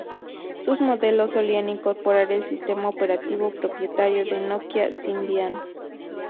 Sus modelos solían incorporar el sistema operativo propietario de Nokia, Symbian.